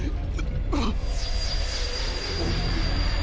あっ。